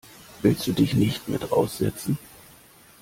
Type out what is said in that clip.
Willst du dich nicht mit raus setzen?